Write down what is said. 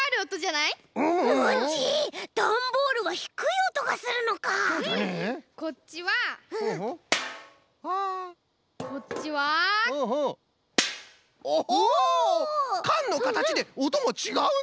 おお！かんのかたちでおともちがうんじゃな。